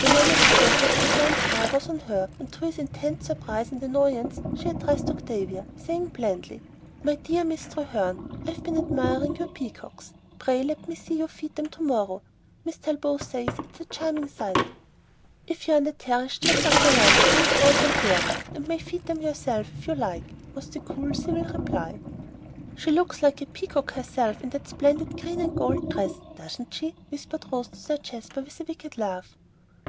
The moment she entered Treherne's eye was on her, and to his intense surprise and annoyance she addressed Octavia, saying blandly, "My dear Miss Treherne, I've been admiring your peacocks. Pray let me see you feed them tomorrow. Miss Talbot says it is a charming sight." "If you are on the terrace just after lunch, you will find them there, and may feed them yourself, if you like" was the cool, civil reply. "She looks like a peacock herself in that splendid green and gold dress, doesn't she?" whispered Rose to Sir Jasper, with a wicked laugh.